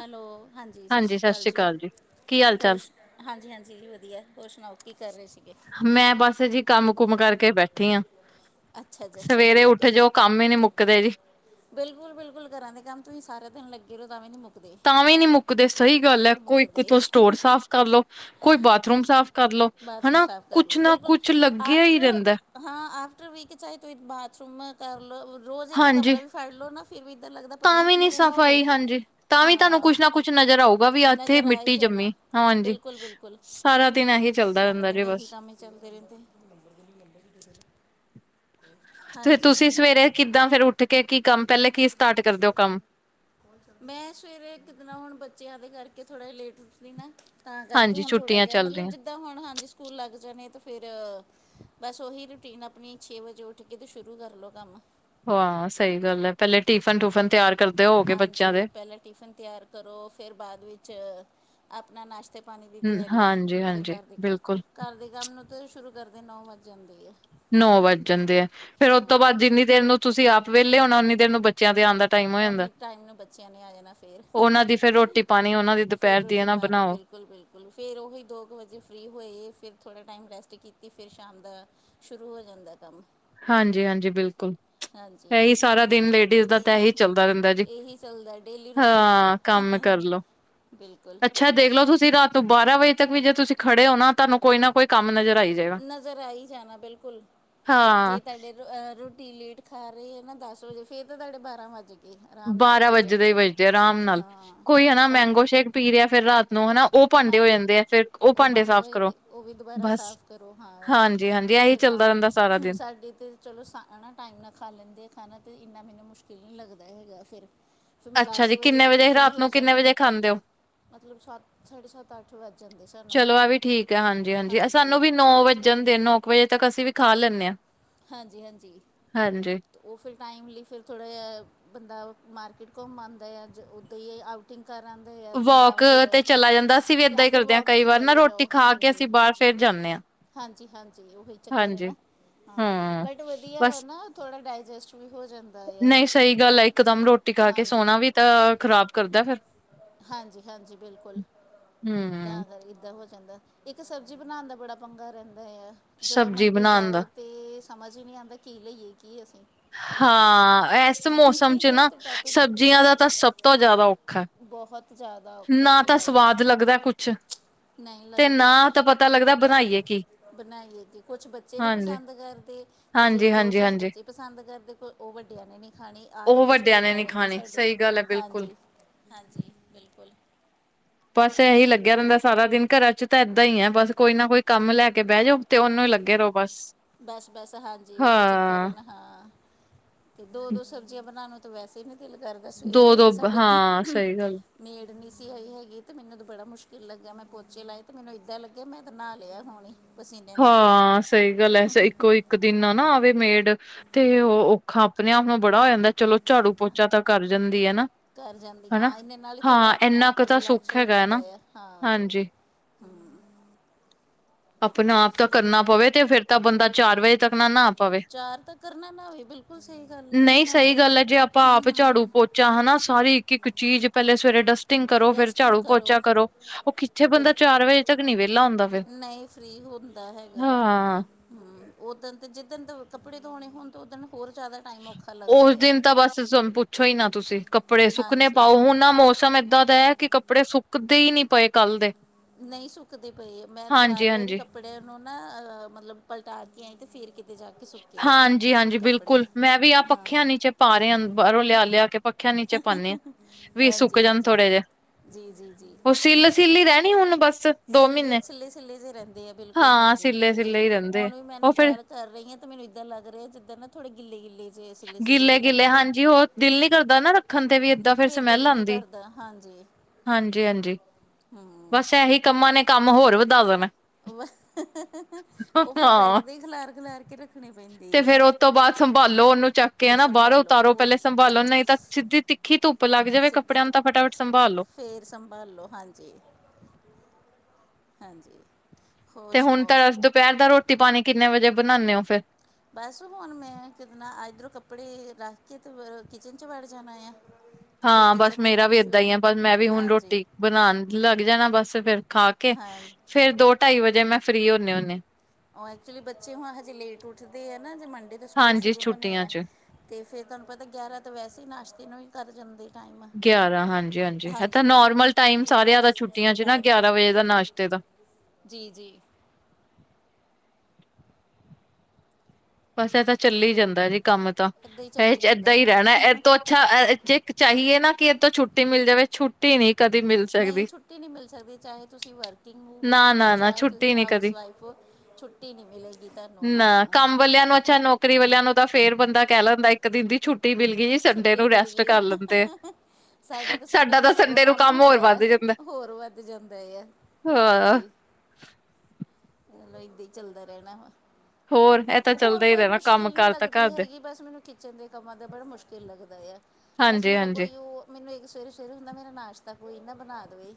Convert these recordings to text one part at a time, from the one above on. Hello ਹਾਂਜੀ ਸਤਿ ਸ਼੍ਰੀ ਅਕਾਲ ਜੀ ਹੋਰ ਹਾਂਜੀ ਹਾਂਜੀ ਜੀ ਵਧੀਆ ਹੋਰ ਸੁਣਾਓ ਕੀ ਕਰ ਰਹੇ ਸੀਗੇ ਮੈਂ ਬਸ ਹਜੇ ਕੰਮ ਕੁਮ ਕਰਕੇ ਬੈਠੀ ਹੈ ਅੱਛਾ ਜੀ ਅੱਛਾ ਸਵੇਰੇ ਠੀਕ ਉੱਠ ਹੈ ਜੀ ਜੋ ਉਹ ਕੰਮ ਹੀ ਨੀ ਮੁੱਕਦੇ ਜੀ ਬਿਲਕੁਲ ਬਿਲਕੁਲ ਕਰਾਂ ਦੇ ਕੰਮ ਤੁਸੀਂ ਸਾਰਾ ਦਿਨ ਲੱਗੇ ਰਹੋ ਤਾਂਵੀ ਨੀ ਮੁੱਕਦੇ ਤਾਂ ਵੀ ਨਹੀਂ ਮੁੱਕਦੇ ਸਹੀ ਤਾਂ ਗੱਲ ਵੀ ਹੈ ਨਹੀਂ ਕੋਈ ਮੁੱਕਦੇ ਕਿਥੋਂ ਸਟੋਰ ਸਾਫ਼ ਕਰ ਲੋ ਕੋਈ ਬਾਥਰੂਮ ਸਾਫ਼ ਕਰਲੋ ਬਾਥਰੂਮ ਹਨਾ ਸਾਫ਼ ਕਰ ਕੁਛ ਲਓ ਨਾ ਬਿਲਕੁਲ ਕੁਛ ਲੱਗਿਆ ਹੀ ਆਫਟਰ ਰਹਿੰਦਾ ਹਾਂ ਆਫਟਰ ਵੀਕ ਚਾ ਤ ਬਾਥਰੂਮ ਕਰ ਲਉ ਰੋਜ਼ ਇੱਕ ਹਾਂਜੀ ਕਮਰਾ ਵੀ ਫੜ ਲਓ ਨਾ ਫਿਰ ਵੀ ਇੱਦਰ ਲੱਗਦਾ ਪਤਾ ਤਾਂ ਨਹੀਂ ਵੀ ਕਿੰਨੇ ਨੀ ਦਿਨ ਹੋ ਗਏ। ਸਫ਼ਾਈ ਹਾਂਜੀ ਤਾਂ ਵੀ ਤੁਹਾਨੂੰ ਹਾਂ, ਕੁਛ ਨਾ ਕੁਛ ਨਜ਼ਰ ਆਊਗਾ ਵੀ ਇੱਥੇ ਨਜ਼ਰ ਆ ਹੀ ਮਿੱਟੀ ਜਾਣਾ, ਜੰਮੀ ਹਾਂਜੀ ਬਿਲਕੁਲ -ਬਿਲਕੁਲ। ਸਾਰਾ ਦਿਨ ਹੀ ਸਾਰਾ ਦਿਨ, ਇਹੀ ਕੰਮ ਹੀ ਚੱਲਦੇ ਰਹਿੰਦੇ। ਤੇ ਹਾਂਜੀ ਤੁਸੀਂ ਹਾਂਜੀ ਸਵੇਰੇ ਕਿੱਦਾਂ ਫਿਰ ਉੱਠ ਕੇ, ਕੀ ਕੰਮ ਪਹਿਲੇ ਕੀ ਸਟਾਰਟ ਕਰਦੇ ਹੋ ਕੰਮ? ਮੈਂ ਸਵੇਰੇ ਇੱਕ ਦਿਨਾਂ ਹੁਣ, ਬੱਚਿਆਂ ਦੇ ਕਰਕੇ ਥੋੜ੍ਹਾ ਜ ਲੇਟ ਉਠ ਦੀ ਮੈ ਤਾਂ ਕਰਕੇ ਹਾਂਜੀ ਹੁਣ ਥੋੜ੍ਹਾ ਛੁੱਟੀਆਂ ਜਿਹਾ, ਚੱਲ ਮਤਲਬ ਰਹੀਆਂ ਜਿੱਦਾਂ ਹੁਣ ਹਾਂਜੀ ਸਕੂਲ ਲੱਗ ਜਾਣੇ ਤਾਂ ਫਿਰ ਬਸ ਓਹੀ ਰੂਟੀਨ ਆਪਣੀ, ਛੇ ਵਜੇ ਉੱਠ ਕੇ ਤੇ ਸ਼ੁਰੂ ਕਰਲੋ ਕੰਮ। ਹਾਂ ਸਹੀ ਗੱਲ ਏ, ਪੇਲੇ ਟਿਫਨ -ਟੂਫਨ ਤਿਆਰ ਕਰਦੇ ਹੋਓਗੇ ਬੱਚੇਆਂ ਦੇ, ਪੇਲੇ ਟੀਫਨ ਤਿਆਰ ਕਰੋ ਫਿਰ ਬਾਅਦ ਵਿੱਚ ਆਪਣਾ ਨਾਸ਼ਤਾ ਖਾਣੇ ਦੀ ਹੂੰ, ਤਿਆਰੀ ਆ ਹਾਂਜੀ ਫੇਰ ਹਾਂਜੀ ਘਰ ਦੇ ਕੰਮ, ਬਿਲਕੁਲ ਘਰ ਦੇ ਕੰਮ ਨੂੰ ਤਾਂ ਸ਼ੁਰੂ ਕਰਦੇ ਨੌ ਵੱਜ ਜਾਂਦੇ ਆ। ਨੌ ਵੱਜ ਜਾਂਦੇ ਆ ਫੇਰ ਉਹ ਤੋਂ ਬਾਅਦ ਹਾਂਜੀ ਜਿੰਨੀ ਦੇਰ ਨੂੰ ਤੁਸੀਂ ਆਪ ਵਿਹਲੇ ਹੋਣਾ ਉਨੀ ਦੇਰ ਨੂੰ ਬੱਚਿਆਂ ਤੇ ਆਣ ਦਾ ਟਾਈਮ ਹੋ ਜਾਂਦਾ ਉਨੇ ਕ ਟਾਈਮ ਨੂੰ ਬੱਚਿਆਂ ਨੇ ਆ ਜਾਣਾ ਫੇਰ ਉਹਨਾਂ ਦੀ ਫੇਰ ਰੋਟੀ ਪਾਣੀ ਉਹਨਾਂ ਦੀ ਫੇਰ ਦੁਪਹਿਰ ਦੀ ਰੋਟੀ ਨਾ ਪਾਣੀ ਬਣਾਓ ਬਿਲਕੁਲ ਬਿਲਕੁਲ ਫੇਰ ਓਹੀ ਦੋ ਕ ਵਜੇ ਫਰੀ ਹੋਏ, ਫਿਰ ਥੋੜ੍ਹਾ ਟਾਈਮ ਰੈਸਟ ਕੀਤੀ ਫਿਰ ਸ਼ਾਮ ਦਾ ਸ਼ੁਰੂ ਹੋ ਜਾਂਦਾ ਕੰਮ ਹਾਂਜੀ -ਹਾਂਜੀ ਬਿਲਕੁਲ ਹਾਂਜੀ ਏ, ਈ ਸਾਰਾ ਦਿਨ ਲੇਡੀਜ਼ ਦਾ ਤਾ ਐ ਇਹ ਹੀ ਚੱਲਦਾ ਰੇਂਦਾ ਜੀ, ਇਹੀ ਚੱਲਦਾ ਡੇਲੀ ਰੂਟੀਨ ਹਾਂ ਕੰਮ ਕਰਲੋ ਬਿਲਕੁਲ ਅੱਛ ਅੱਛਾ ਦੇਖ ਲਓ ਤੁਸੀਂ ਰਾਤ ਨੂੰ ਬਾਰਾਂ ਵਜੇ ਤੱਕ ਵੀ ਜੇ ਤੁਸੀਂ ਖੜ੍ਹੇ ਹੋ ਨਾ ਤੁਹਾਨੂੰ ਕੋਈ ਨਾ ਕੋਈ ਕੰਮ ਨਜ਼ਰ ਆਈ ਜਾਵੇ ਨਜ਼ਰ ਆ ਈ ਜਾਣਾ ਬਿਲਕੁਲ ਹਾਂ ਜੇ ਤਾਡੇ ਰੋਟੀ ਲੇਟ ਖਾ ਰਹੀ ਹੈ ਨਾ ਦਸ ਵਜੇ ਫੇਰ ਤਾਂ ਤੁਹਾਡੇ ਬਾਰਾਂ ਵੱਜ ਗ ਬਾਰਾਂ ਵੱਜੇਦੇ ਈ ਵਜਦੇ ਅਰਾਮ ਨਾਲ ਹਾਂ ਕੋਈ ਹਨਾ ਸਾ ਮੈਂਗੋ ਸ਼ੇਕ ਪੀ ਰੇਆ ਫਿਰ ਰਾਤ ਤੋ ਹਨਾ ਓਹ ਭਾਂਡੇ ਹੋ ਹਾਂਜੀ ਜਾਂਦੇ ਆ, ਫਿਰ ਓਹ ਉਹ ਭਾਂਡੇ ਹੋ ਸਾਫ਼ ਕਰੋ, ਜਾਂਦੇ ਉਹ ਵੀ ਦੁਬਾਰਾ ਬਸ ਸਾਫ਼ ਕਰੋ ਹਾਂ ਹਾਂਜੀ। ਜੀ ਹਾਂਜੀ ਤੇ ਏਹੀ ਫਿਰ ਚੱਲਦਾ ਰੈਂਦਾ ਸਾਰਾ ਤਾਂ ਦਿਨ। ਸਾਡੇ ਤੇ ਚਲੋ ਸ ਹੈ ਨਾ ਟਾਈਮ ਨਾਲ ਖਾ ਲੈਂਦੇ ਖਾਣਾ, ਤਾਂ ਏਨਾ ਮੈਨੂੰ ਮੁਸ਼ਕਿਲ ਨਈ ਲੱਗਦਾ ਹੈਗਾ ਫੇਰ। ਫਿਰ ਮੈਂ ਅੱਛਾ ਦਸ ਜੀ ਵਜੇ ਕਿੰਨੇ ਤੱਕ ਫਰੀ ਰਾਤ ਹੋ ਨੂੰ ਕਿੰਨੇ ਜਾਂਨੀ ਵਜੇ ਖਾਂਦੇ ਹੋ ਮਤਲਬ ਸਤ ਸਾਢੇ ਸੱਤ ਅੱਠ ਵੱਜ ਜਾਂਦੇ ਸਾਨੂੰ ਚਲੋ ਆ ਵੀ ਠੀਕ ਹੈ ਹਾਂਜੀ ਹਾਂਜੀ। ਸਾਨੂੰ ਵੀ ਨੌ ਵੱਜ ਜਾਂਦੇ, ਨੌ ਕ ਵਜੇ ਤੱਕ ਅਸੀਂ ਵੀ ਖਾ ਲੈਂਦੇ ਆ। ਹਾਂਜੀ -ਹਾਂਜੀ। ਉਹ ਫਿਰ ਟਾਈਮਲੀ ਫਿਰ ਥੋੜ੍ਹਾ ਜਿਹਾ ਬੰਦਾ ਮਾਰਕੀਟ ਘੁੰਮ ਆਉਂਦਾ ਜਾਂ ਜ ਉੱਦਾਂ ਹੀ ਆਊਟ ਵੋਕ ਤੇ ਚਲਾ ਜਾਂਦਾ ਅਸੀਂ ਵੀ ਏਦਾਂ ਜਾਂ ਹੀ ਫਿਰ ਕਰਦੇ ਹਾਂ ਵੋਕ ਕਈ 'ਤੇ ਵਾਰ ਨਾ ਚਲੇ ਰੋਟੀ ਜਾਓ ਖਾ ਕੇ ਹਾਂਜੀ ਅਸੀਂ ਬਾਹਰ ਫੇਰ ਜਾਂਨੇ ਆ ਹਾਂਜੀ- ਹਾਂਜੀ ਓਹੀ ਚੱਕਰ ਹੈ ਨਾ ਹਾਂ, ਹਮ ਬਟ ਵਧੀਆ ਵਾ ਨਾ, ਥੋੜ੍ਹਾ ਡਾਇਜੈਸਟ ਵੀ ਹੋ ਜਾਂਦਾ। ਆ ਨਈ ਸਹੀ ਗੱਲ ਐ, ਇੱਕ ਦਮ ਰੋਟੀ ਖਾ ਕੇ ਹਾਂਜੀ ਸੋਣਾ ਵੀ ਤਾਂ ਖ਼ਰਾਬ ਕਰਦਾ ਫੇਰ। ਹਾਂਜੀ- ਹਾਂਜੀ ਬਿਲਕੁਲ ਹਮ ਤਾਂ ਕਰਕੇ ਏਦਾ ਹੋ ਜਾਂਦਾ। ਇੱਕ ਸਬਜ਼ੀ ਬਣਾਣ ਦਾ ਬੜਾ ਪੰਗਾ ਰੇਂਦਾ ਆ, ਜਦੋਂ ਸਬਜ਼ੀ ਮੰਡੀ ਬਣਾਣ ਦਾ ਜਾਓ ਅਤੇ ਸਮਝ ਹੀ ਨਹੀਂ ਆਉਂਦਾ ਕੀ ਲਈਏ ਕੀ ਅਸੀਂ ਹਾਂ ਐਸ ਮੌਸਮ ਚ ਇਹ ਨਾ ਤਾਂ ਟੋਪਿਕ ਸਬਜ਼ੀਆਂ ਦਾ ਤਾਂ ਸਭ ਤੋਂ ਜ਼ਾਦਾ ਔਖਾ। ਬੋਹਤ ਜ਼ਾਦਾ ਔਖਾ ਨਾ ਹੁੰਦਾ ਤਾਂ ਆ। ਸਵਾਦ ਲੱਗਦਾ ਕੁਛ ਨਈ ਤੇ ਲੱਗਦਾ ਨਾ ਤਾਂ ਪਤਾ ਲੱਗਦਾ ਬਣਾਈਏ ਕੀ ਬਣਾਈਏ ਕੀ, ਕੁਛ ਬੱਚੇ ਨੀ ਹਾਂਜੀ ਪਸੰਦ ਕਰਦੇ ਜੇ- ਹਾਂਜੀ ਜੋ ਹਾਂਜੀ ਚੀਜ਼ ਹਾਂਜੀ ਬੱਚੇ ਪਸਦ ਕਰਦੇ ਓਹ ਵੱਡੇਆਂ ਨੇ ਨਹੀਂ ਖਾਨੀ, ਆ ਹੀ ਉਹ ਕੁਛ ਵੱਡਿਆਂ ਨੇ ਚੱਲਦਾ ਨੀ ਰੇਂਦਾ ਖਾਣੀ ਸਾਡੇ ਸਹੀ ਗੱਲ ਹੈ ਬਿਲਕੁਲ ਹਾਂਜੀ। ਹਾਂਜੀ, ਬਿਲਕੁਲ ਬਸ ਏਹੀ ਲੱਗਿਆ ਰੈਂਦਾ ਸਾਰਾ ਦਿਨ, ਘਰਾਂ ਚ ਤਾਂ ਏਦਾਂ ਈ ਆ ਬਸ ਕੋਈ ਨਾ ਕੋਈ ਕੰਮ ਲੈ ਕੇ ਤੇ ਬੈ ਜਾਓ ਤੇ ਓਹਨੂੰ ਲੱਗੇ ਰਹੋ ਬਸ ਬਸ ਬਸ ਹਾਂਜੀ ਉਹੀ ਚੱਕਰ ਹੈ ਹਾਂ ਨਾ ਹਾਂ ਤੇ ਦੋ -ਦੋ ਸਬਜ਼ੀਆਂ ਬਨਾਣ ਨੂੰ ਤਾਂ ਵੈਸੇ ਨੀ ਦਿਲ ਕਰਦਾ ਤਾਂ ਸਵੇਰੇ ਦੋ ਏ ਦੋ ਸਾਡੀ ਹਾਂ ਸਹੀ ਗੱਲ ਨੀਡ ਨਹੀਂ ਸਹੀ ਹੈਗੀ ਅਤੇ ਮੈਨੂੰ ਤਾਂ ਬੜਾ ਮੁਸ਼ਕਿਲ ਲੱਗਿਆ ਮੈਂ ਪੋਚੇ ਲਾਏ ਅਤੇ ਮੈਨੂੰ ਇੱਦਾਂ ਲੱਗਿਆ ਮੈਂ ਤਾਂ ਨਾਹ ਲਿਆ ਹੁਣ ਹੀ ਹਾਂ ਸਈ ਗੱਲ ਏ ਇੱਕੋ -ਇੱਕ ਦਿਨ ਨਾ ਆਵੇ ਮੇਡ ਤੇ ਉਹ ਔਖਾ ਆਪਣੇ ਆਪ ਨੂੰ ਬੜਾ ਹੋ ਜਾਂਦਾ ਚਲੋ ਝਾੜੂ ਪੋਚਾ ਤਾਂ ਕਰ ਜਾਂਦੀ ਹੈ ਨਾ ਘਰ ਹਨਾ। ਜਾਂਦੀਆਂ, ਇਨੇ ਨਾਲ ਹੀ ਥੋੜ੍ਹਾ ਹਾਂ ਜਿਹਾ ਆਪਣੇ ਇੰਨਾ ਆਪ ਕੁ ਨੂੰ ਤਾਂ ਰਿਲੈਕਸ ਸੁੱਖ ਹੋ ਹੈਗਾ ਹੈ ਜਾਂਦਾ ਨਾ ਆ ਹਾਂਜੀ। ਹਮ ਆਪਣੇ ਆਪ ਤਾਂ ਕਰਨਾ ਪਵੇ, ਤੇ ਫੇਰ ਤਾਂ ਬੰਦਾ ਚਾਰ ਵਜੇ ਤੱਕ ਨਾ ਨਾ ਪਾਵੇ, ਚਾਰ ਤਾਂ ਕਰਨਾ ਨਾ ਹੋਵੇ ਬਿਲਕੁਲ ਸਹੀ ਗੱਲ ਹੈ ਨਹੀਂ ਹੁਣ ਸਹੀ ਤੇ ਗੱਲ ਐ ਜੇ ਆਪਾਂ ਆਪ ਹਮ ਝਾੜੂ ਹਮ ਪੋ 'ਚਾ ਹਨਾ, ਸਾਰੀ ਇੱਕ ਇੱਕ ਚੀਜ਼, ਪਹਿਲੇ ਸਵੇਰੇ ਡਸ ਟਿੰਗ ਕਰੋ, ਫਿਰ ਝਾੜੂ ਪੋਚਾ ਕਰੋ, ਉਹ ਕਿੱਥੇ ਬੰਦਾ ਬਿਲਕੁਲ ਚਾਰ ਵਜੇ ਤੱਕ ਨੀ ਵਿਹਲਾ ਹੁੰਦਾ ਫਰ। ਫਰੀ ਹੁੰਦਾ ਹੈਗਾ। ਹੂਘ, ਉੱਦਣ ਤਾਂ ਜਿੱਦਣ ਤਾਂ ਕੱਪੜੇ ਧੋਣੇ ਹੋਣ, ਤਾਂ ਉੱਦਣ ਹੋਰ ਜ਼ਿਆਦਾ ਟਾਈਮ ਔਖਾ ਲੱਗਦਾ ਉਸ ਆ ਦਿਨ ਤਾਂ ਬਸ ਪੁੱਛੋ ਹੀ ਨਾ ਤੁਸੀਂ, ਕੱਪੜੇ ਸੁੱਕਨੇ ਹਾਂਜੀ ਪਾਓ, ਹੁਣ ਆ ਮੌਸ ਮੌਸਮ ਏਦਾਂ ਦਾ ਐ, ਕਿ ਕੱਪੜੇ ਸੁੱਕਦੇ ਹੀ ਨੀ ਪਏ ਕੱਲ ਦੇ। ਨਹੀਂ ਸੁੱਕਦੀ ਪਈ, ਮੈਂ ਚਾਰ ਹਾਂਜੀ ਵਾਰੀ ਹਾਂਜੀ ਕੱਪ ੜਆ ਨੂੰ ਨਾ ਅਹ, ਮਤਲਬ ਪਲਟਾਰ ਕੇ ਆਈ ਤੇ ਫੇਰ ਹਾਂਜੀ ਹਾਂਜੀ ਬਿਲਕੁਲ, ਮੈਂ ਵੀ ਆਹ ਹਾਂ ਪੱਖਿਆਂ ਨੀਚੇ ਪਾ ਰਿਹਾ, ਬਾਹਰੋਂ ਲਿਆ ਲਿਆ ਕੇ ਪੱਖਿਆ ਨੀਚੇ ਪਾਉਦੇ ਆ, ਵੀ ਸੁੱਕ ਹਾਂਜੀ ਜਾਣ ਹਾਂਜੀ ਥੋੜੇ ਜਿਹੇ, ਜੀ ਜੀ ਉਹ ਸੀਲ ਸੀਲ ਹੀ ਰਹਿਣੀ, ਹੁਣ ਬੱਸ। ਸਿੱਲ ਜੇ ਸਿੱਲੇ ਸਿੱਲੇ ਜੇ ਰਹਿੰਦੇ ਆ, ਬਿਲਕੁਲ ਹਾਂ ਹਾਂਜੀ ਸਿੱਲੇ ਇਏਦਾਂ ਹੀ, ਸਿੱਲੇ ਰਹਿੰਦੇ ਹੁਣ ਵੀ ਮੈਂ ਨਾ ਉਹ ਫਿਰ ਤੈਅ ਕਰ ਰਹੀ ਆ, ਮੈਨੂੰ ਇਦਾਂ ਲੱਗ ਰਿਹਾ ਐ, ਜਿੱਦ ਨਾ ਥੋੜੇ ਗਿੱਲੇ ਗਿੱਲੇ ਜੇ ਸਿੱਲੇ ਸਿੱਲੇ ਜੇ ਗਿੱਲੇ ਲੱਗ ਗਿੱਲੇ ਰਹੇ ਹਾਂਜੀ, ਉਹ ਦਿਲ ਨ ਕਰਦਾ ਨਾ ਰੱਖਣ ਤੇ ਵੀ, ਏਦਾਂ ਫਿਰ ਸਮੈਲ ਦਿਲ ਨਹੀਂ ਆਦੀ। ਕਰਦਾ ਹਾਂਜੀ, ਹਾਂਜੀ। ਹੂੰ। ਬਸ ਇਹੀ ਕੰਮਾਂ ਨੇ, ਕੰਮ ਹੋਰ ਵਧਾ ਦੇਣਾ। ਉਹ ਫੇਰ ਹਾਂ ਬੈਡ ਦੇ ਖਿਲਾਰ, ਖਿਲਾਰ ਕੇ ਰੱਖਣੇ ਤੇ ਪੈਂਦੇ ਆ। ਫੇਰ ਉਹ ਤੋਂ ਬਾਅਦ ਸੰਭਾਲੋ ਉਹਨੂੰ ਚੱਕ ਕੇ ਫਿਰ ਹੈਨਾ, ਬਾਹਰੋਂ ਸੰਭਾਲੋ ਉਤਾਰੋ ਉਹ ਪਹਿਲੇ ਸੰਭਾਲੋ ਨਹੀਂ ਤਾਂ, ਸਿੱਧੀ ਤਿੱਖੀ ਧੁੱਪ ਲੱਗ ਜਾਵੇ ਸਿੱਧੀ ਕੱਪੜਿਆਂ ਨੂੰ ਤਾਂ ਧੁੱਪ ਫਟਾਫਟ ਸੰਭਾਲੋ। ਫਿਰ ਸੰਭਾਲੋ, ਹਾਂਜੀ- ਹਾਂਜੀ। ਹੋਰ ਤੇ ਹੁਣ ਤਾਂ ਸੁਣਾਓ ਦੁਪਹਿਰ ਦਾ, ਰੋਟੀ ਪਾਣੀ ਕਿੰਨੇਂ ਵਜੇ ਬਣਾਨੇ ਉ ਫੇ? ਬਸ ਹੁਣ ਮੈਂ ਕਿਦਨਾ ਇੱਧਰੋਂ ਕੱਪੜੇ ਰੱਖ ਕੇ, ਤੇ ਫਰ ਕਿਚਨ 'ਚ ਵੜ ਜਾਣਾ ਆ। ਤੇ ਫਿਰ ਹਾਂ, ਬਸ ਕਿਚਨ ਦੇ ਮੇਰਾ ਕੰਮ ਵੀ ਏਦਾਂ ਸ਼ੁਰੂ ਹੀ ਐ, ਬਸ ਮੈਂ ਵੀ ਹੁਣ ਹਾਂਜੀ ਰੋਟੀ ਬਣਾਨ ਲੱਗ ਜਾਣਾ, ਬਸ ਫੇਰ ਖਾ ਕੇ ਹਾਂ ਫੇਰ ਦੋ ਢਾਈ ਵਜੇ, ਮੈਂ ਫ੍ਰਰੀ ਹੁੰਨੇ ਹੁੰਨੇ। ਉਹ ਐਕਚੁਲੀ ਬੱਚੇ ਹੁਣ ਹਜੇ ਲੇਟ ਉੱਠਦੇ ਆ ਨਾ, ਜੇ ਮੰਡੇ ਤੋਂ ਸਕੂਲ ਹਾਂਜੀ ਸ਼ੁਰੂ ਹੋਣੇ ਛੁੱਟੀਆਂ ਆ। ਚ। ਤੇ ਫੇਰ ਤੁਹਾਨੂੰ ਪਤਾ, ਗਿਆਰਾਂ ਤੋਂ ਵੈਸੇ ਹੀ ਨਾਸ਼ਤੇ ਨੂੰ ਵੀ ਕਰ ਜਾਂਦੇ ਟਾਈਮ, ਗਿਆਰਾਂ ਹਾਂਜੀ-ਹਾਂਜੀ ਇਹ ਤਾਂ ਹਾਂਜੀ ਨੋਰਮਲ ਟਾਈਮ ਤੇ ਸਾਰਿਆਂ ਦਾ ਬਸ, ਉਸ ਛੁੱਟੀਆਂ ਤੋਂ ਚ ਨਾ ਬਾਅਦ ਗਿਆਰਾਂ ਫਿਰ ਵਜੇ ਦਾ ਨਾਸ਼ਤੇ ਦਾ। ਜੀ ਜੀ। ਬਸ ਇਹ ਤਾਂ, ਚੱਲੀ ਜਾਂਦਾ ਜੀ ਕੰਮ ਤਾਂ ਇੱਦਾਂ ਹੀ ਇਹ ਚੱਲੀ 'ਚ ਏਦਾਂ ਜਾਂਦਾ ਹੀ ਹਾਂ ਰਹਿਣਾ, ਇਹ ਤੋਂ ਅੱਛਾ ਅ ਜੇ ਚਾਹੀਏ ਨਾ ਕਿ ਇਹ ਤੋਂ ਛੁੱਟੀ ਮਿਲ ਜਾਵੇ, ਛੁੱ ਨਈ ਛੁੱਟੀ ਨੀ ਮਿਲ ਸਕਦੀ, ਚਾਹੇ ਤੁਸੀਂ ਵਰਕਿੰਗ ਨਾ ਵੂਮੈਨ ਉਹ, ਨਾ ਨਾ ਚਾਹੇ ਛੁੱਟੀ ਤੁਸੀਂ ਨੀ ਹਾਊਸ ਕਦੀ। ਵਾਈਫ ਛੁੱਟੀ ਨੀ ਮਿਲੇਗੀ ਤੁਹਾਨੂੰ, ਹਾਂ। ਆ ਕੰਮ ਵਾਲਿਆਂ ਨੂੰ ਅੱਛਾ, ਨੌਕਰੀ ਵਾਲਿਆਂ ਨੂੰ ਤਾਂ ਫੇਰ ਬੰਦਾ ਕਹਿ ਲੈਂਦਾ, ਇੱਕ ਦਿਨ ਦੀ ਛੁੱਟੀ ਮਿਲ ਗਈ ਜੀ ਸੰਡੇ ਛੁੱਟੀ ਨੂੰ ਮਿਲ ਰੈਸਟ ਗਈ ਆ ਕਰ ਲੈਂਦੇ। ਸਾਡਾ ਤਾਂ ਸੰਡੇ ਨੂੰ ਸਗੋਂ ਕੰਮ ਹੁੰਦਾ ਆ, ਹੋਰ ਵੱਧ ਜਾਂਦਾ ਆ, ਹਾਂ। ਹਾਂਜੀ। ਮਲ ਏਦਾਂ ਈ ਚੱਲਦਾ ਰਹਿਣਾ ਵਾ। ਹੋਰ ਐ ਹੋਰ ਕੋਈ ਮੁਸ਼ਕਿਲ ਨੀ ਲੱਗਦੀ ਹੈਗੀ, ਬਸ ਮੈਨੂੰ ਕਿਚਨ ਦੇ ਕੰਮਾਂ ਦਾ ਬੜਾ ਮੁਸ਼ਕਿਲ ਲੱਗਦਾ ਆ। ਬਸ ਹਾਂਜੀ ਮੇਰਾ ਹਾਂਜੀ ਕੋਈ ਓ ਮੈਨੂੰ ਇੱਕ ਸਵੇਰੇ ਸਵੇਰੇ ਹੁੰਦਾ, ਮੇਰਾ ਨਾਸ਼ਤਾ ਕੋਈ ਨਾ ਬਨਾ ਦੇਵੇ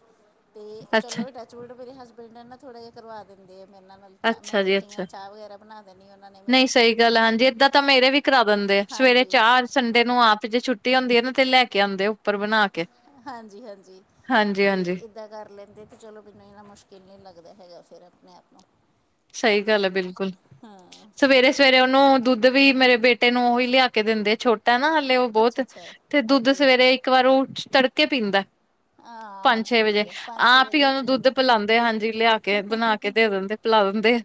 ਤੇ ਅੱਛਾ ਚਲੋ ਟੱਚ ਵੂਡ ਮੇਰੇ ਹਸਬੈਂਡ ਨਾ ਥੋੜਾ ਜਾ ਕਰਵਾ ਦਿੰਦੇ ਆ, ਮੇਰੇ ਨਾ। ਨਲ, ਚਾਹ ਮੈਂ ਅੱਛਾ ਜੀ ਉੱਠੀ ਅੱਛਾ। ਆ, ਚਾਹ ਵਗੈਰਾ ਬਨਾ ਦੇਨੀ ਐ ਓਨਾਂ ਨੇ ਨਹੀਂ ਮੈਨੂੰ। ਸਹੀ ਗੱਲ ਹਾਂਜੀ, ਏਦਾਂ ਤਾਂ ਮੇਰੇ ਵੀ ਕਰਾ ਦਿੰਦੇ ਆ, ਸਵੇਰੇ ਹਾਂਜੀ ਚਾਰ ਸੰਡੇ ਨੂੰ ਆਪ ਜੇ ਛੁੱਟੀ ਹੁੰਦੀ ਐ ਨਾ ਤੇ ਲੈ ਕੇ ਆਉਂਦੇ ਓ। ਉੱਪਰ ਬਨਾ ਕੇ ਹਾਂਜੀ-ਹਾਂਜੀ। ਦਾਂ ਕਰ ਲੈਂਦੇ ਤੇ ਚਲੋਂ ਬੀ ਨਾ ਇੰਨਾ ਮੁਸ਼ਕਿਲ ਨਈ ਲੱਗਦਾ ਹੈਗਾ ਫੇਰ ਅਪਨੇ ਆਪ ਨੂੰ। ਸਈ ਗੱਲ ਐ ਬਿਲਕੁਲ। ਹਾਂ ਸਵੇਰੇ-ਸਵੇਰੇ ਓਨੂੰ ਦੁੱਧ ਵੀ ਮੇਰੇ ਬੇਟੇ ਨੂੰ ਓਹੀ ਲਿਆ ਕੇ ਦੇਂਦੇ ਛੋਟੇ ਟਾ ਨਾ ਹਾਲੇ ਓ ਬੋਤ ਅੱਛਾ ਅੱਛਾ ਤੇ ਦੁੱਧ ਓਕੇ ਸਵੇਰੇ ਇੱਕ ਵਾਰ ਓ ਤੜਕੇ ਪੀਂਦਾ। ਹਾਂ ਪੰਜ-ਛੇ ਵਜੇ ਠੀਕ ਹੈ ਪੰਜ ਛੇ ਆਪ ਵਜੇ ਈ ਉੱਠ ਓਨੂੰ ਦੁੱਧ ਜਾਣਾ ਪਿਲਾਂਦੇ ਹਾਂਜੀ ਲਿਆ ਕੇ ਬਨਾ ਕੇ ਦੇ ਦੇਂਦੇ। ਪਿਲਾ ਦਿੰਦੇ ਆ।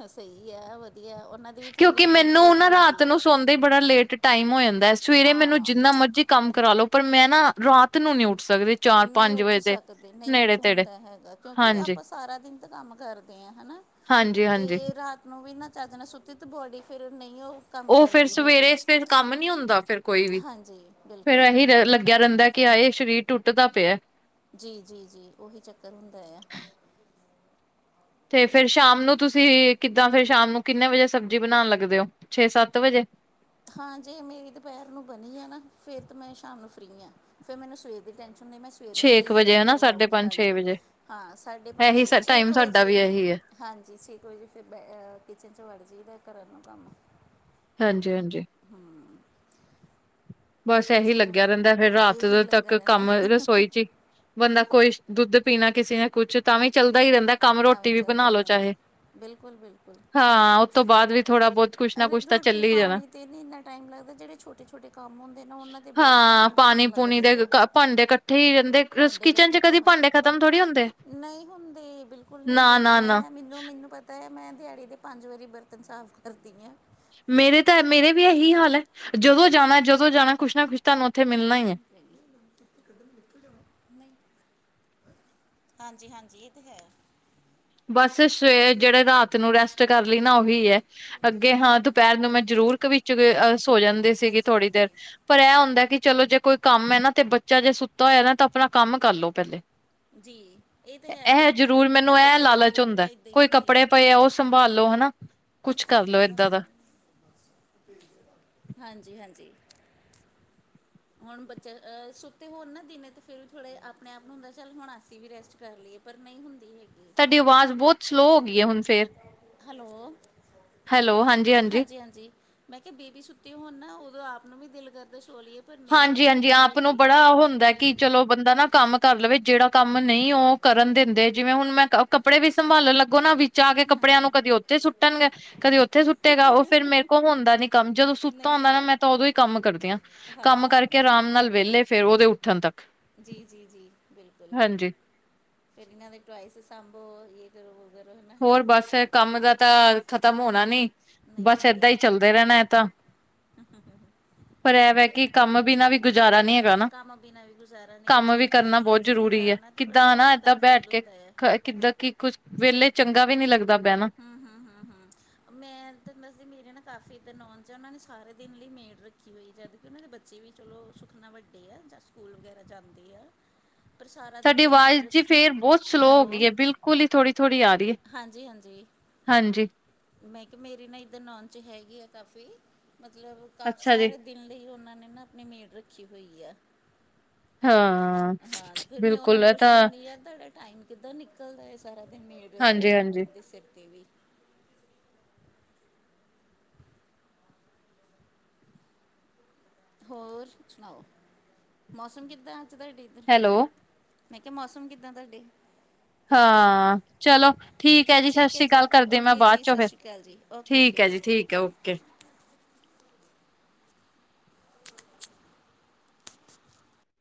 ਹਾਂ, ਸਹੀ ਆ ਵਧੀਆ ਉਹਨਾਂ ਦੀ ਵੀ ਥੋੜ੍ਹੀ ਕਿਉਂਕਿ ਮੈਨੂੰ ਨਾ ਰਿਸਪੋਂਸੀਬਿਲਿਟੀ ਰਾਤ ਹੁੰਦੀ ਹੈ ਨੂੰ ਸੌਦੇ ਬੜਾ ਲੇਟ ਟਾਈਮ ਹੋ ਜਾਂਦਾ ਸਵੇਰੇ ਮੈਨੂੰ ਹਾਂ ਜਿੰਨਾ ਮਰਜ਼ੀ ਕੰਮ ਕਰਾ ਲੋ ਪਰ ਮੈਂ ਨਾ ਰਾਤ ਨੂੰ ਨੀ ਉੱਠ ਸਕਦੀ। ਚਾਰ ਨਈ ਪੰਜ ਉੱਠ ਵਜੇ ਦੇ ਸਕਦੇ ਨਈ ਨੇੜੇ ਉੱਠ ਤੇੜੇ ਹੁੰਦਾ ਹੈਗਾ ਕਿਉਂਕਿ ਹਾਂਜੀ ਆਪਸ ਸਾਰਾ ਦਿਨ ਤੇ ਕੰਮ ਕਰਦੇ ਆ ਹਨਾ ਹਾਂਜੀ ਹਾਂਜੀ ਤੇ ਰਾਤ ਨੂੰ ਵੀ ਨਾ ਚੱਜ ਨਾ ਸੁੱਤੀ ਤਾਂ ਬੋਡੀ ਫਿਰ ਨਈ ਓ ਓ ਫੇਰ ਸਵੇਰੇ ਇਸ [unintelligible] ਕੰਮ ਨੀ ਹੁੰਦਾ ਫਿਰ ਕੋਈ ਵੀ ਹਾਂਜੀ ਫੇਰ ਬਿਲਕੁਲ ਏਹੀ ਲੱਗਿਆ ਰਹਿੰਦਾ। ਕਿ ਹਾਏ ਸਰੀਰ ਟੁੱਟਦਾ ਪਿਆ। ਜੀ, ਜੀ, ਜੀ ਓਹੀ ਚੱਕਰ ਹੁੰਦਾ ਆ। ਤੇ ਫੇਰ ਸ਼ਾਮ ਨੂੰ ਤੁਸੀਂ ਕਿੱਦਾਂ ਫਿਰ ਸ਼ਾਮ ਨੂੰ ਕਿੰਨੇ ਵਜੇ ਸਬਜ਼ੀ ਬਨਾਨ ਲੱਗਦੇ ਓ ਛੇ-ਸੱਤ ਵਜੇ। ਹਾਂ ਜੇ ਮੇਰੀ ਦੁਪਹਿਰ ਨੂੰ ਬਨੀ ਏ ਨਾ ਫੇਰ ਤਾਂ ਮੈਂ ਸ਼ਾਮ ਨੂੰ ਫ੍ਰੀ ਆਂ। ਫੇਰ ਮੈਨੂੰ ਸਵੇਰ ਦੀ ਟੈਂਸ਼ਨ ਹੁੰਦੀ ਮੈਂ ਸਵੇਰ ਨੂੰ ਛੇ ਕੀ ਕੁ ਵਜੇ ਹਨਾ ਸਾਢੇ ਕਰਵਾਉਂਗੀ ਪੰਜ ਛੇ ਹਾਂਜੀ ਵਜੇ ਹਾਂ ਸਾਢੇ ਇਹੀ ਪੰਜ-ਛੇ ਛੇ ਟਾਈਮ ਕ ਸਾਡਾ ਵੀ ਵਜੇ ਇਹੀ ਹੈ ਹਾਂਜੀ ਛੇ ਕੁ ਵਜੇ ਫਿਰ ਬੈ ਕਿਚਨ 'ਚ ਵੜ ਜਈਦਾ ਕਰਨ ਨੂੰ ਕੰਮ। ਹਾਂਜੀ-ਹਾਂਜੀ। ਹਾਂ। ਬਸ ਐਹੀ ਲੱਗਿਆ ਰਹਿੰਦਾ ਫੇਰ ਰਾਤ ਇਹੀ ਲੱਗਾ ਤੱਕ ਰਹਿੰਦਾ ਕੰਮ ਰਸੋਈ 'ਚ ਈ ਬੰਦਾ ਕੋਈ ਦੁੱਧ ਪੀਨਾ ਕਿਸੇ ਨੇ ਕੁਛ ਤਾਂ ਵੀ ਚੱਲਦਾ ਈ ਰਹਿੰਦੈ। ਤਾਂ ਵੀ ਚੱਲਦਾ ਈ ਰਹਿੰਦੈ ਬਿਲਕੁਲ ਬਿਲਕੁਲ। ਹਾਂ ਉਸ ਤੋਂ ਬਾਦ ਵੀ ਥੋੜ੍ਹਾ ਬੋਤ ਕੁਛ ਨਾ ਅਰੇ ਕੁਛ ਤਾਂ ਰੋਟੀ ਚੱਲੀ ਜਾਨਾ। ਪਾਣੀ ਤੇ ਨੀ ਇੰਨਾ ਟਾਈਮ ਲੱਗਦਾ ਜੇੜੇ ਛੋਟੇ-ਛੇਟੇ ਕੰਮ ਹੁੰਦ ਤੇ ਨਾ ਓਨਾਂ ਦੇ ਬੋਤ ਹਾਂ ਅ ਟਾਈਮ ਪਾਣੀ ਪੂਣੀ ਦੇ ਲੱਗਦੇ ਐ ਭਾਂਡੇ ਇਕੱਠੇ ਹੀ ਰਹਿੰਦੇ ਭਾਂਡੇ ਕਿਚਨ ਚ ਕੱਠੇ ਕਦੀ ਭਾਂਡੇ ਖਤਮ ਥੋੜ੍ਹੀ ਹੁੰਦੇ [unintelligible] ਨਈ ਹੁੰਦੇ ਬਿਲਕੁਲ ਨਈ ਨਾ ਹੁੰਦੇ ਨਾ ਨਾ ਮੈਂ ਮੈਨੂੰ ਮੈਨੂੰ ਪਤਾ ਐ ਮੈਂ ਦਿਹਾੜੀ ਦੇ ਪੰਜ ਵਾਰੀ ਬਰਤਨ ਸਾਫ਼ ਕਰਦੀ ਆਂ। ਮੇਰੇ ਤਾਂ ਮੇਰੇ ਵੀ ਏਹੀ ਹਾਲ ਐ ਜਦੋਂ ਜਾਣਾ, ਜਦੋਂ ਜਾਣਾ ਕੁਛ ਨਾ ਕੁਛ ਤੁਹਾਨੂੰ ਉੱਥੇ ਮਿਲਣਾ ਹੀ ਹੈ [unintelligible] ਹਾਂਜੀ-ਹਾਂਜੀ ਏ ਤੇ ਹੈ। ਬਸ ਸਵੇਰੇ ਜੇੜੇ ਰਾਤ ਨੂੰ ਰੈਸਟ ਕਰ ਲਈ ਨਾ ਓਹੀ ਹੈ। ਅੱਗੇ ਹਾਂ ਦੁਪਹਿਰ ਨੂੰ ਮੈਂ ਜ਼ਰੂਰ ਕਵਿ ਚ ਜੀ ਅ ਸੋ ਜਾਂਦੀ ਸੀਗੀ ਹਾਂਜੀ ਥੋੜ੍ਹੀ ਦੇਰ ਹਾਂਜੀ ਪਰ ਐ ਹੁੰਦਾ ਕਿ ਚਲੋ ਜੇ ਕੋਈ ਕੰਮ ਐ ਨਾ ਤੇ ਬੱਚਾ ਜੇ ਸੁੱਤਾ ਹੋਇਆ ਨਾ ਤਾਂ ਅਪਨਾ ਕੰਮ ਕਰ ਲੋ ਪਹਿਲੇ। ਜੀ ਇਹ ਤੇ ਹੈ ਬਿਲਕੁਲ ਛੋਟੇ ਬੱਚੇ ਓਹਦੇ 'ਚ ਨਾਲ ਹੁੰਦਾ ਥੋੜ੍ਹਾ ਇੱਦਾਂ ਹੀ ਕੋਈ ਹੁੰਦੀ ਕੱਪੜੇ ਪਏ ਆ ਉਹ ਸੰਭਾਲ ਲਓ ਹਨਾ। ਕੁਛ ਕਰਲੋ ਮੇਰੇ ਏਦਾਂ ਦਾ ਭਾਬੀ ਨੇ ਹਾਂਜੀ ਹਾਂਜੀ। ਹੁਣ ਬੱਚਾ ਸੁੱਤੇ ਹੋਣ ਨਾ ਦਿਨੇ ਤਾਂ ਫਿਰ ਵੀ ਥੋੜ੍ਹੇ ਆਪਣੇ ਆਪ ਨੂੰ ਹੁੰਦਾ ਚੱਲ ਹੁਣ ਅਸੀਂ ਵੀ ਰੈਸਟ ਕਰ ਲਈਏ। ਪਰ ਨਹੀਂ ਹੁੰਦੀ ਹੈਗੀ ਤੁਹਾਡੀ ਆਵਾਜ਼ ਬਹੁਤ ਸਲੋਅ ਹੋ ਗਈ ਹੁਣ ਫੇਰ ਹੈਲੋ ਹੈਲੋ ਹਾਂਜੀ ਹਾਂਜੀ। ਹਾਂਜੀ। ਮੈਂ ਕਿਹਾ ਬੇਬੀ ਸੁੱਤੀ ਹੋਣ ਨਾ ਉਦੋਂ ਆਪ ਨੂੰ ਵੀ ਦਿਲ ਕਰਦਾ ਸੋ ਲਈਏ। ਪਰ ਨਹੀਂ ਹਾਂਜੀ ਰੈਸਟ ਹਾਂਜੀ ਹੁੰਦੀ ਆਪ ਨੂੰ ਹੈਗੀ ਬੜਾ ਓ ਹੁੰਦਾ ਕਿ ਚਲੋ ਬੰਦਾ ਨਾ ਕੰਮ ਕਰ ਲਵੇ ਜਿਹੜਾ ਕੰਮ ਨਹੀਂ ਉਹ ਕਰਨ ਦਿੰਦੇ ਜਿਵੇਂ ਹੁਣ ਮੈਂ ਕੰਮ ਕੱਪੜੇ ਵੀ ਸੰਭਾਲਣ ਲੱਗੋ ਨਾ ਵਿੱਚ ਆ ਕੇ ਕੱਪੜਿਆਂ ਨੂੰ ਕਦੇ ਉੱਥੇ ਸੁੱਟਣਗੇ ਕਦੇ ਉੱਥੇ ਸੁੱਟੇਗਾ ਉਹ ਫੇਰ ਮੇਰੇ ਕੋਲ ਹੁੰਦਾ ਨੀ ਕੰਮ ਜਦੋਂ ਸੁੱਤਾ ਹੁੰਦਾ ਨਾ ਮੈਂ ਤਾਂ ਉਦੋਂ ਹੀ ਕੰਮ ਕਰਦੀ ਹਾਂ। ਹਾਂ ਨਾਲੇ ਵਿਹਲੇ ਫੇਰ ਉਹਦੇ ਉੱਠਣ ਤੱਕ। ਜੀ- ਜੀ- ਜੀ ਬਿਲਕੁਲ ਹਾਂਜੀ ਫੇਰ ਇਹਨਾਂ ਦੇ ਟੋਇਸ ਸਾਂਭੋ ਏ। [unintelligible] ਹੋਰ ਬਸ ਏਹ ਕੰਮ ਦਾ ਤਾਂ ਖਤਮ ਹੋਣਾ ਨੀ ਨਹੀਂ ਬਸ ਹੁੰਦੇ ਏਦਾਂ ਹੀ ਚੱਲ ਦਹਿਣਾ ਹੈ ਤਾਂ ਪਰ ਇਹਵੀ ਠੀਕ ਹੈ ਕਿ ਕੰਮ ਬਿਨਾਂ ਵੀ ਗੁਜ਼ਾਰਾ ਨੀ ਹੈਗਾ ਨਾ ਕੰਮ ਬਿਨਾਂ ਵੀ ਗੁਜ਼ਾਰਾ ਨਹੀਂ ਕੰਮ ਬੱਚੇ ਵੀ ਕਰਨਾ ਬਹੁਤ ਜ਼ਰੂਰੀ ਹੈ ਕਿੱਦਾਂ ਨਾ। ਇਕ ਏਦਾਂ ਤਰ੍ਹਾਂ ਬੈਠ ਫੀਲ ਕੇ ਹੁੰਦਾ ਹੈ। ਕਿੱਦਾਂ ਕਿ ਕੁੱਝ ਵਿਹਲੇ ਚੰਗਾ ਵੀ ਨੀ ਲੱਗਦਾ ਬਹਿਣਾ। ਹਮ- ਹਮ- ਹਮ- ਹਮ ਮੈਂ ਤੁਹਾਨੂੰ ਦੱਸਦੀ ਮੇਰੇ ਨਾ ਕਾਫੀ ਇੱਧਰ ਨੌਚ ਆ ਉਹਨਾ ਨੇ ਸਾਰੇ ਦਿਨ ਲਈ ਮੇਢ ਰੱਖੀ। ਨਈਂ, ਜਦਕਿ ਨਾ ਮੇ ਬੱਚੇ ਵੀ ਚਲੋ ਸੁੱਖ ਨਾਲ ਵੱਡੇ ਐ ਜਾਂ ਸਕੂਲ ਵਗੈਰਾ ਜਾਂਦੇ ਐ ਪਰ ਸਾਰਾ ਸਾਡੀ ਦਿੱਲੀ ਮੇਲ ਆਵਾਜ਼ ਜੀ ਰੱਖੀ, ਫੇਰ ਬਹੁਤ ਸਲੋਅ ਹੋ ਹੈਲੋ, ਗਈ ਹੈ ਬਿਲਕੁਲ ਹੀ ਥੋੜ੍ਹੀ ਥੋੜ੍ਹੀ ਆ ਰਹੀ ਹੈ ਹਾਂਜੀ-ਹਾਂ ਜੀ, ਹਾਂਜੀ ਮੈਂ ਕਿਹਾ ਮੇਰੀ ਨਾ ਇੱਧਰ ਨੌਨ 'ਚ ਹੈਗੀ ਆ ਕਾਫੀ, ਮਤਲਬ ਕਾਫ ਅੱਛਾ ਜੀ ਸਾਰੇ ਦਿਨ ਲਈ ਉਹਨਾਂ ਨੇ ਨਾ ਆਪਣੀ ਮੇਡ ਰੱਖੀ ਹੋਈ ਆ। ਹਾਂ ਹਾਂ, ਫਿਰ ਮੈਂ ਉਹਨਾਂ ਬਿਲਕੁਲ ਨੂੰ ਇਹ ਤਾਂ ਪੁੱਛਦੀ ਹੁੰਨੀ ਆ, ਤਾਡੇ ਟਾਈਮ ਕਿੱਦਾਂ ਨਿਕਲਦਾ ਐ ਸਾਰਾ ਦਿਨ ਮੇਰੇ ਹਾਂਜੀ ਹਾਂਜੀ ਦੇ ਸਿਰ 'ਤੇ ਵੀ। ਹੋਰ ਸੁਣਾਓ, ਮੌਸਮ ਕਿੱਦਾਂ ਅੱਜ ਤੁਹਾਡੇ ਇੱਧਰ? ਹੈਲੋ ਮੈਂ ਕਿਆ ਮੌਸਮ ਕਿੱਦਾਂ ਤੁਹਾਡੇ? ਹਾਂ, ਚਲੋ ਠੀਕ ਐ ਜੀ ਸਾ ਹੈ ਜੀ ਸ਼ੀਕਾਲ ਕਰਦੇ ਮੈਂ ਓਕੇ ਜੀ ਬਾਅ'ਚੋਂ ਸਤਿ ਫੇਰ। ਸ਼੍ਰੀ ਅਕਾਲ ਜੀ ਓਕੇ ਓਕੇ ਠੀਕ ਐ ਬਾਏ ਜੀ, ਠੀਕ ਐ, ਓਕੇ।